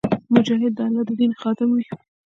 مجاهد د الله د دین خادم وي.